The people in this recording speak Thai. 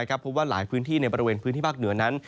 เพราะว่าหลายพื้นที่ในบริเวณพื้นที่ภาคเหนือนั้น